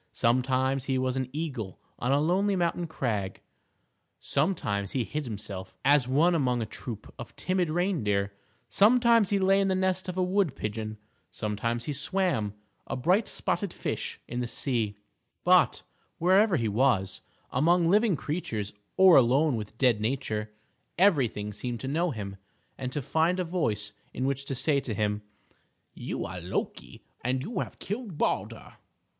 Sometimes he was an eagle on a lonely mountain crag; sometimes he hid himself as one among a troop of timid reindeer; sometimes he lay in the nest of a wood pigeon; sometimes he swam, a bright spotted fish, in the sea; but, wherever he was, among living creatures, or alone with dead nature, everything seemed to know him, and to find a voice in which to say to him, "You are Loki, and you have killed Baldur."